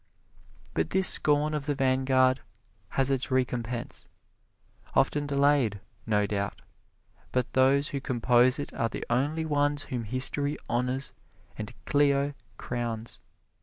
But this scorn of the vanguard has its recompense often delayed, no doubt but those who compose it are the only ones whom history honors and Clio crowns.